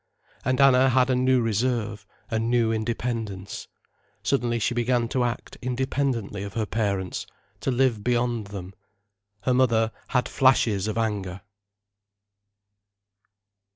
And Anna had a new reserve, a new independence. Suddenly she began to act independently of her parents, to live beyond them. Her mother had flashes of anger.